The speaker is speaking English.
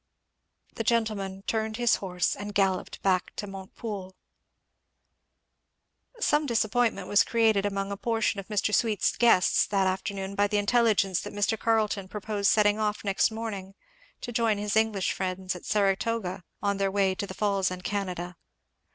The gentleman turned his horse and galloped back to Montepoole. Some disappointment was created among a portion of Mr. Sweet's guests that afternoon by the intelligence that Mr. Carleton purposed setting off the next morning to join his English friends at Saratoga on their way to the falls and Canada.